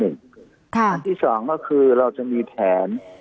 อันที่๒ก็คือเราจะมีแผน